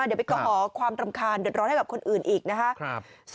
เดี๋ยวไปกระหอความตรำคาญเดี๋ยวรอให้กับคนอื่นอีกนะ